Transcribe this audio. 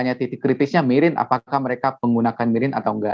kita akan tanya titik kritisnya mirin apakah mereka menggunakan mirin atau enggak